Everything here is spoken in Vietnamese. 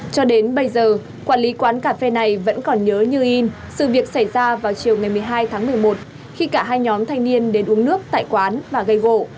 cho đến bây giờ quản lý quán cà phê này vẫn còn nhớ như in sự việc xảy ra vào chiều ngày một mươi hai tháng một mươi một khi cả hai nhóm thanh niên đến uống nước tại quán và gây gỗ